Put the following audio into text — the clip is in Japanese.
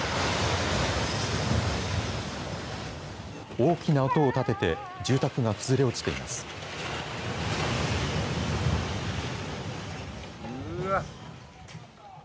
大きな音を立てて住宅が崩れ落ちています。